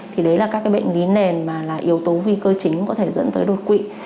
thì đấy là các cái bệnh lý nền mà là yếu tố nguy cơ chính có thể dẫn tới đột quỵ